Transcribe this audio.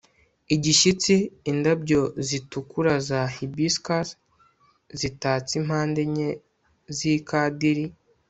igishyitsi. indabyo zitukura za hibiscus zitatse impande enye z'ikadiri